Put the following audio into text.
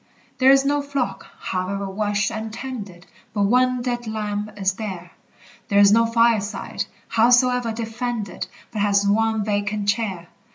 There is no flock, however watched and tended, But one dead lamb is there! There is no fireside, howsoe'er defended, But has one vacant chair!